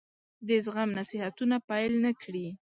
د زغم نصيحتونه پیل نه کړي.